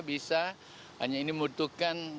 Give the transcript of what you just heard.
bisa hanya ini butuhkan